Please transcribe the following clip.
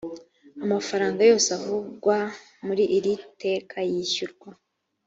amafaranga yose avugwa muri iri teka yishyurwa